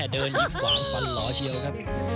เดินยิ้มขวางฟันหล่อเชียวครับ